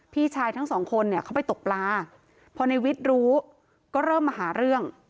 พี่ชายทั้งสองคนเนี่ยเขาไปตกปลาพอในวิทย์รู้ก็เริ่มมาหาเรื่อง